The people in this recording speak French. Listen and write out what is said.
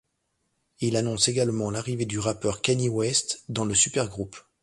Il annonce également l'arrivée du rappeur Kanye West dans le supergroupe.